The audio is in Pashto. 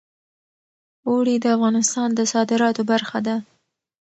اوړي د افغانستان د صادراتو برخه ده.